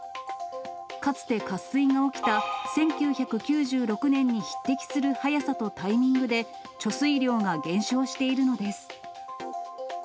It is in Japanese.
かつて渇水が起きた１９９６年に匹敵する早さとタイミングで、貯水量が減少しているのです。